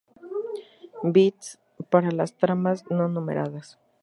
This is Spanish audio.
M: Bits para las tramas no numeradas.